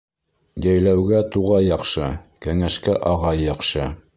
Йәйләүгә туғай яҡшы, кәңәшкә ағай яҡшы.